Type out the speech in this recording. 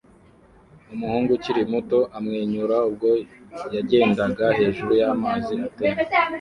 Umuhungu ukiri muto amwenyura ubwo yagendaga hejuru y'amazi atemba